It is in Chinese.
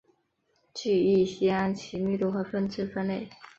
聚乙烯按其密度和分支分类。